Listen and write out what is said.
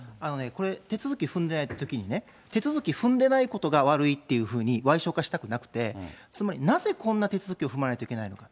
これ、手続き踏んでないときにね、手続き踏んでないことが悪いっていうふうにわい小化したくなくて、つまりなぜこんな手続きを踏まないといけないのか。